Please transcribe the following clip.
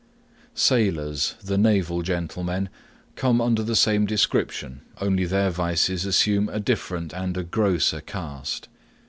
Sailors, the naval gentlemen, come under the same description, only their vices assume a different and a grosser cast.